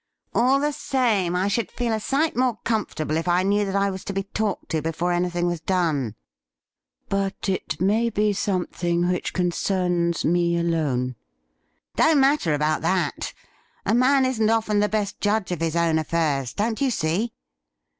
' All the same, I should feel a sight more comfortable if I knew that I was to be talked to before anything was done.' ' But it may be something which concerns me alone.' ' Don't matter about that ; a man isn't often the best judge of his own affairs, don't you see